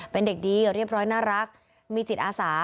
เป็นเด็กดีเรียบร้อยน่ารักมีจิตอาสา